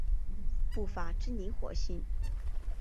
步法之灵活性。